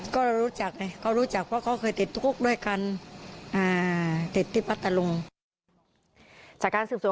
ก็รู้จักเขารู้จักว่าเขาเคยติดคุกด้วยกัน